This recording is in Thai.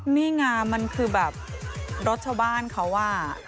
นี่ไงมันคือแบบรถชาวบ้านเขาอ่ะ